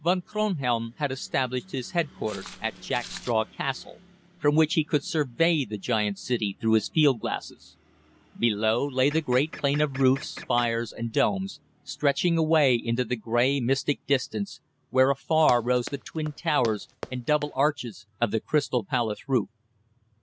Von Kronhelm had established his headquarters at Jack Straw's Castle, from which he could survey the giant city through his field glasses. Below lay the great plain of roofs, spires, and domes, stretching away into the grey mystic distance, where afar rose the twin towers and double arches of the Crystal Palace roof.